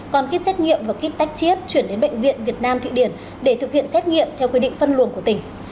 còn kit xét nghiệm và kích tách chiết chuyển đến bệnh viện việt nam thụy điển để thực hiện xét nghiệm theo quy định phân luồng của tỉnh